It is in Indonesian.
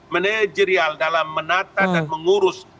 manajerial dalam menata dan mengurus